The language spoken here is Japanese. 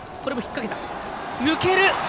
抜ける！